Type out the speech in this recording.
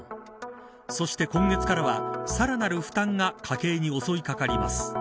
そして今月からはさらなる負担が家計に襲いかかります。